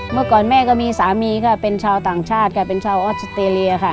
เมื่อก่อนแม่ก็มีสามีค่ะเป็นชาวต่างชาติค่ะเป็นชาวออสเตรเลียค่ะ